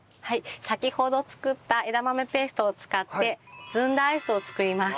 先ほど作った枝豆ペーストを使ってずんだアイスを作ります。